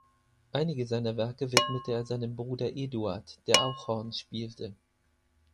Einige seiner Werke widmete er seinem Bruder Eduard, der auch Horn spielte.